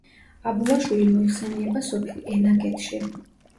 აბულაშვილი მოიხსენიება სოფელ ენაგეთში.